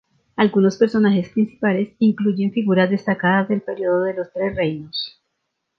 Algunos personajes principales incluyen figuras destacadas del período de los Tres Reinos.